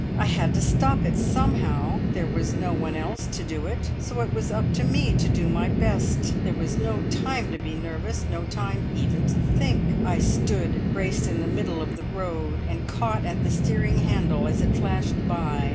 I had to stop it somehow! There was no one else to do it, so it was "up to me" to do my best. There was no time to be nervous, no time even to think. I stood braced in the middle of the road, and caught at the steering handle as it flashed by.